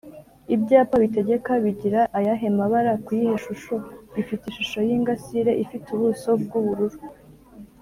Ibyapa bitegeka bigira ayahe mabara kuyihe shusho?bifite ishusho y’ingasire ifite ubuso bw’ubururu